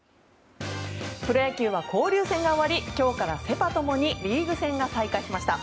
プロ野球は交流戦が終わり今日からセ・パ共にリーグ戦が再開しました。